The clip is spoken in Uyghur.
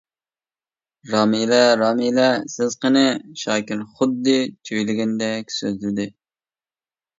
-رامىلە، رامىلە، سىز قېنى. شاكىر خۇددى جۆيلۈگەندەك سۆزلىدى.